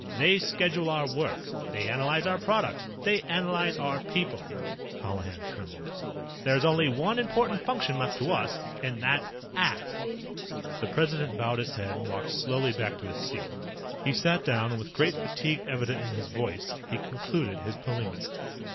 They schedule our work. They analyze our products. They analyze our people." Colihan trembled. "There's only one important function left to us. And that's ACT!" The President bowed his head and walked slowly back to his seat. He sat down, and with great fatigue evident in his voice, he concluded his polemic.